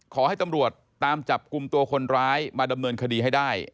ขอให้ตำรวจตามจับกลุ่มตัวคนร้ายมาดำเนินคดีให้ได้